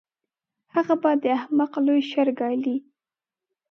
هغه به د احمق لوی شر ګالي.